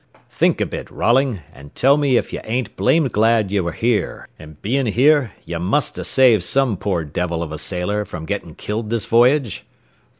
Think a bit, Rolling, an' tell me if ye ain't blamed glad ye ware here, an' bein' here, ye must 'a' saved some poor devil of a sailor from getting killed this voyage?"